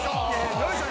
よいしょ。